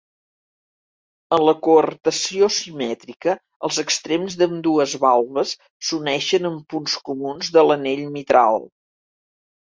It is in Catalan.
En la coartació simètrica, els extrems d'ambdues valves s'uneixen en punts comuns de l'anell mitral.